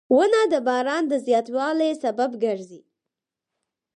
• ونه د باران د زیاتوالي سبب ګرځي.